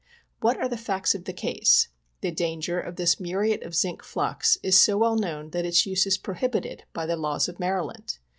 What are the facts of the case ? The danger of this muri ate of zinc flux is so well known that its use is prohibited by ihe laws of Maryland.